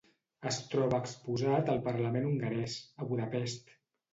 Es troba exposat al parlament hongarès, a Budapest.